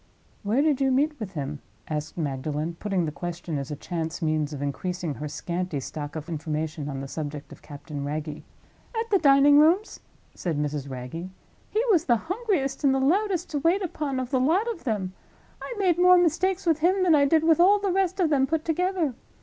"Where did you meet with him?" asked Magdalen, putting the question as a chance means of increasing her scanty stock of information on the subject of Captain Wragge. "At the Dining rooms," said Mrs. Wragge. "He was the hungriest and the loudest to wait upon of the lot of 'em. I made more mistakes with him than I did with all the rest of them put together.